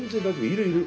いるいる。